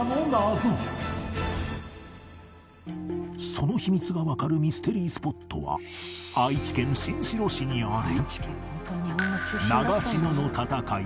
その秘密がわかるミステリースポットは愛知県新城市にある長篠の戦い